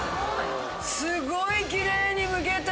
すごいきれいにむけた。